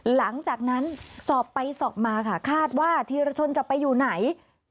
หลังจากนั้นสอบไปสอบมาค่ะคาดว่าธีรชนจะไปอยู่ไหน